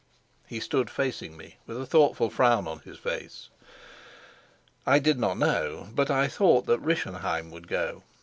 He stood facing me with a thoughtful frown on his face. I did not know, but I thought that Rischenheim would go.